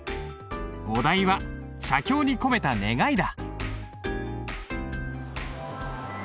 お題は「写経に込めた願い」だ。